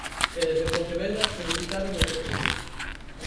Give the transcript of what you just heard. E desde Pontevedra felicitárono deste xeito.